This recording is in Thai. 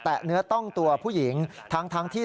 เนื้อต้องตัวผู้หญิงทั้งที่